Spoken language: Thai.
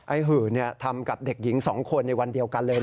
หื่นทำกับเด็กหญิง๒คนในวันเดียวกันเลย